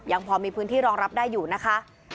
ยังพอมีพื้นที่รองรับได้อยู่นะคะ